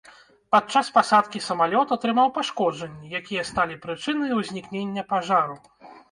Падчас пасадкі самалёт атрымаў пашкоджанні, якія сталі прычынай узнікнення пажару.